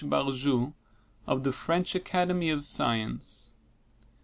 Barjou of the French Academy of Science.